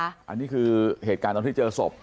อันนี้คือเหตุการณ์จากที่จะเห็นสบ